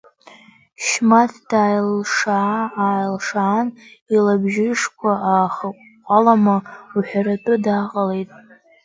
Шьмаҭ дааилшаа-ааилшаан, илабжышқәа аахаҟәҟәалама уҳәаратәы дааҟалеит.